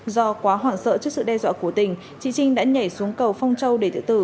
do quá hoảng sợ trước sự đe dọa của tình chị trinh đã nhảy xuống cầu phong châu để tự tử